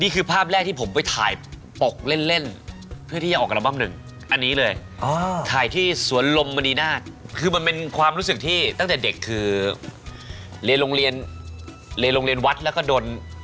คือมันเป็นความรู้สึกที่ตั้งแต่เด็กคือเรียนโรงเรียนวัดแล้วก็โดน